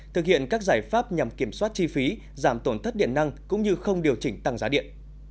thực hiện các giải pháp nhằm kiểm soát chi phí giảm tổn thất điện năng cũng như không điều chỉnh tăng giá điện